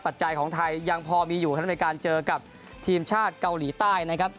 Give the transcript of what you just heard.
ปัจจัยของไทยยังพอมีอยู่ครับในการเจอกับทีมชาติเกาหลีใต้นะครับ